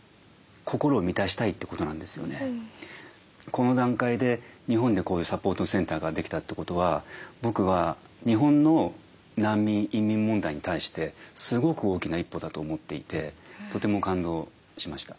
この段階で日本でこういうサポートセンターができたってことは僕は日本の難民・移民問題に対してすごく大きな一歩だと思っていてとても感動しました。